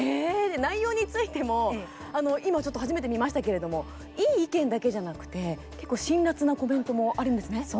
内容についても、今ちょっと初めて見ましたけれどもいい意見だけじゃなくて結構、辛辣なコメントもあるんですね。